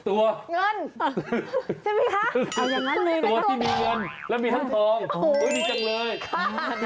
ตัวเงินใช่ไหมคะตัวที่มีเงินและมีทั้งทองดีจังเลยค่ะค่ะ